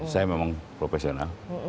saya memang profesional